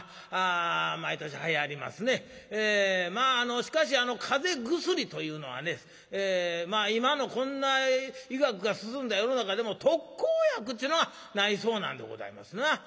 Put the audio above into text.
しかしあの風邪薬というのはね今のこんな医学が進んだ世の中でも特効薬っちゅうのがないそうなんでございますな。